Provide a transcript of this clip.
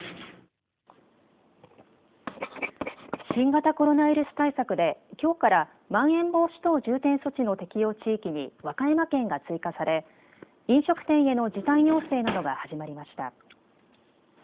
新型コロナウイルス対策できょうからまん延防止等重点措置の適用地域に和歌山県が追加され飲食店への時短要請などが始まりました。